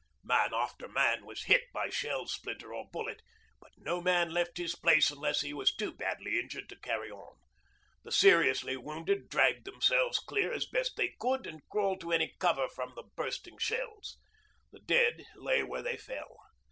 Man after man was hit by shell splinter or bullet, but no man left his place unless he was too badly injured to carry on. The seriously wounded dragged themselves clear as best they could and crawled to any cover from the bursting shells; the dead lay where they fell.